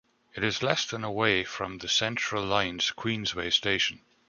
It is less than away from the Central line's Queensway station.